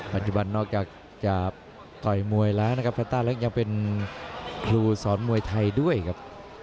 ปัจจุบันนอกจากจะต่อยมวยแล้วนะครับซาต้าเล็กยังเป็นครูสอนมวยไทยด้วยครับ